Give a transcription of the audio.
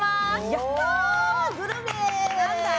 やったー！